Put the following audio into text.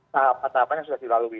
sahabat sahabat yang sudah dilalui